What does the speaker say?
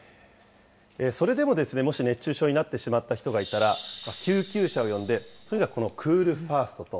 それでもですね、もし熱中症になってしまった人がいたら、救急車を呼んで、とにかくこのクール・ファーストと。